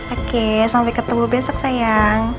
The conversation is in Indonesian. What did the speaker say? oke sampai ketemu besok sayang